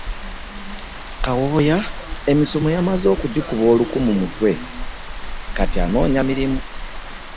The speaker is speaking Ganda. Kawooya emisomo yamaze okugikuba oluku mu mutwe kati anoonya mirimu.